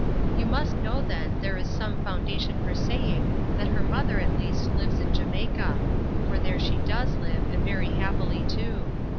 You must know then, there is some foundation for saying, that her mother, at least, lives in Jamaica; for there she does live, and very happily too.